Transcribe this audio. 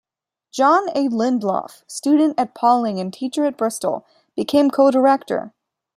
John A. Lindlof, student at Pawling and teacher at Bristol, became Co-Director.